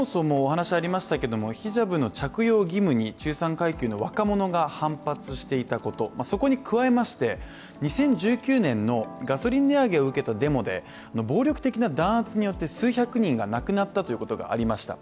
そもそもヒジャブの着用義務に中産階級の若者が反発していたこと、そこに加えまして、２０１９年のガソリン値上げを受けたデモで暴力的な弾圧によって数百人が亡くなったということがありました。